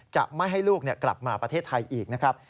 จะไม่ให้ลูกกลับมาประเทศไทยอีกนะครับ